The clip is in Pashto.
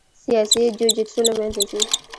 سیاسي جوجیتسو له منځه ځي.